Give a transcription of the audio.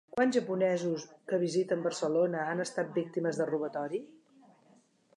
Quants japonesos que visiten Barcelona han estat víctimes de robatori?